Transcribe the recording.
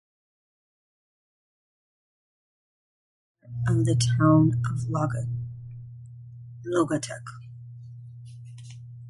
It is now part of the town of Logatec.